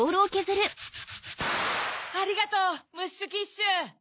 ありがとうムッシュ・キッシュ！